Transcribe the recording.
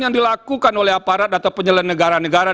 yang dilakukan oleh aparat atau penyelenggara negara